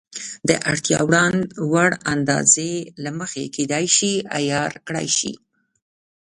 د اړتیا وړ اندازې له مخې کېدای شي عیار کړای شي.